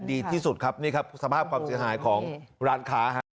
ดีที่สุดครับนี่ครับสภาพความเสียหายของร้านค้าฮะ